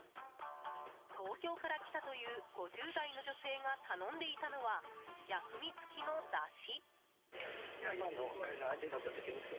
東京から来たという５０代の女性が頼んでいたのは薬味付きのだし。